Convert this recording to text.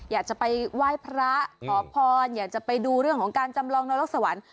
อยากจะไปไหว้พระขอพรอยากจะไปดูเรื่องของการจำลองนรกสวรรค์